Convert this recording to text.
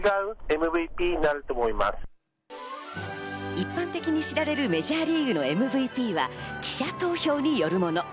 一般的に知られるメジャーリーグのＭＶＰは記者投票によるもの。